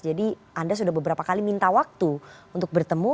jadi anda sudah beberapa kali minta waktu untuk bertemu